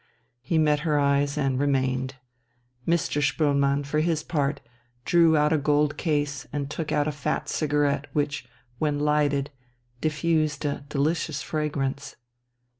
He met her eyes, and remained. Mr. Spoelmann, for his part, drew out a gold case and took out a fat cigarette, which, when lighted, diffused a delicious fragrance.